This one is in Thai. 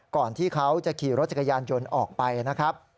ก่อนที่เขาจะขี่รถจักรยานยนต์ออกไปนะครับ